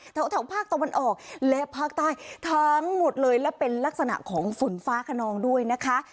แถวภาคตะวันออกและภาคใต้ทั้งหมดเลยและเป็นลักษณะของฝนฟ้าขนองด้วยนะคะ